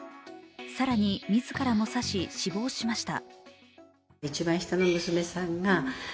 更に自らも刺し死亡しました。